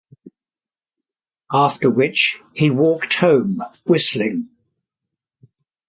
After which, he walked home, whistling.